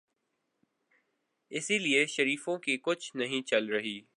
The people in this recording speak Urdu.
اسی لیے شریفوں کی کچھ نہیں چل رہی۔